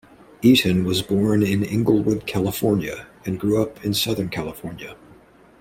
Eaton was born in Inglewood, California and grew up in Southern California.